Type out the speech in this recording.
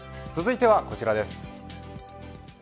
続いてはこちらです。